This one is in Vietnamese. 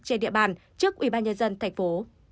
trên địa bàn trước ủy ban nhân dân thành phố